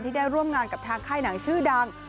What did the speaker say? ได้ร่วมงานกับทางค่ายหนังชื่อดัง